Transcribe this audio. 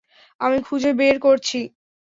আমি খুঁজে বের করছি!